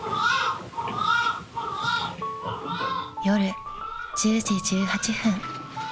［夜１０時１８分］